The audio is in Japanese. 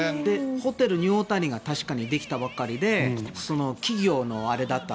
ホテルニューオータニができたばっかりで企業のあれだった。